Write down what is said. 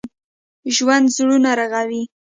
ژوندي زړونه رغوي